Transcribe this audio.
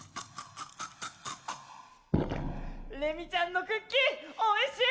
れみちゃんのクッキーおいしい！